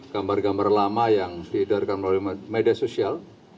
gambar gambar lama yang diedarkan melalui media sosial